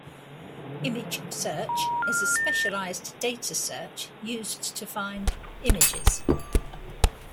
Image search is a specialized data search used to find images.